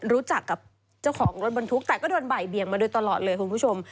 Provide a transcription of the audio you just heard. รู้จักกับเจ้าของรถบรรทุกแต่ก็โดนบ่ายเบียงมาโดยตลอดเลยคุณผู้ชม